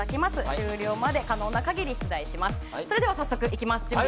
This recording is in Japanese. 終了まで可能な限り出題します。